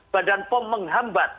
badan pom menghambat